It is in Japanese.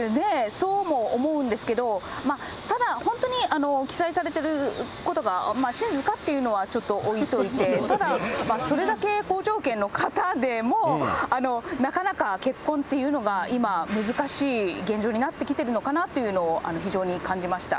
そうも思うんですけど、ただ、本当に、記載されてることが、真実かということは置いといて、それだけ好条件の方でも、なかなか結婚っていうのが今、難しい現状になってきてるのかなっていうのを、非常に感じました。